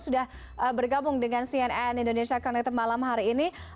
sudah bergabung dengan cnn indonesia connected malam hari ini